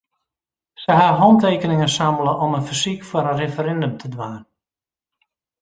Sy ha hantekeningen sammele om in fersyk foar in referindum te dwaan.